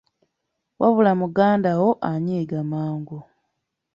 Wabula muganda wo anyiiga mangu!